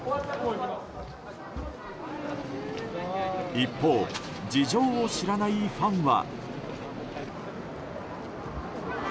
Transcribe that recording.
一方事情を知らないファンは。